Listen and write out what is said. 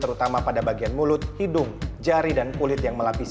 terutama pada bagian mulut hidung jari dan kulit yang melapisi